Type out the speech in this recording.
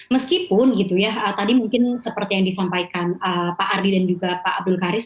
meskipun gitu ya tadi mungkin seperti yang disampaikan pak ardi dan juga pak abdul karis